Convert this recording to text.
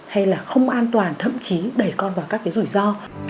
hay là không an toàn thậm chí đẩy con vào các cái rủi ro